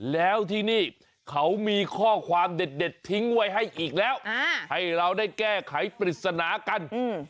แล้วที่นี่เขามีข้อความเด็ดทิ้งไว้ให้อีกแล้วให้เราได้แก้ไขปริศนากันอืม